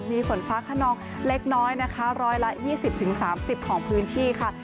มีฝนฟ้าขนองเล็กน้อยนะคะ๑๒๐๓๐ของพื้นที่ค่ะ